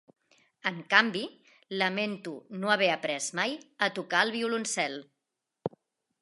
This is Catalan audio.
En canvi, lamento no haver après mai a tocar el violoncel.